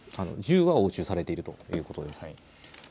銃は押収されているということです。